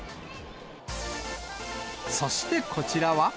そしてこちらは。